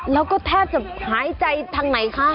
แล้วก็แทบจะหายใจทางไหนคะ